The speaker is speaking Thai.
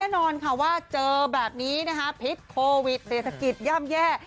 แน่นอนค่ะว่าเจอแบบนี้นะคะพิษโควิดเศรษฐกิจย่ำแย่